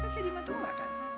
jadi mantul gak kan